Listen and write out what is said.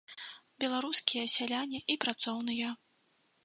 Беларускія сяляне і працоўныя!